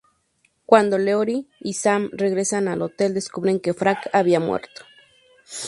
Cuando Leroy y Sam regresan al hotel, descubren que Frank había muerto.